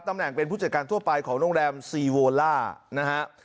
ตำแหน่งเป็นผู้จัดการทั่วไปของโรงแรมซีโวล่านะฮะ